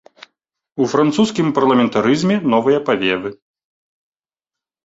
У французскім парламентарызме новыя павевы.